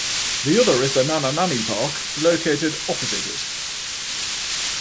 The other is the Nana Nani Park, located opposite it.